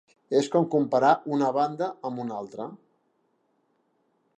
És com comparar una banda amb una altra.